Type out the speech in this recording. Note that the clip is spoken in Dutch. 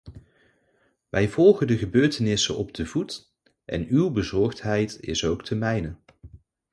Wij volgen de gebeurtenissen op de voet en uw bezorgdheid is ook de mijne.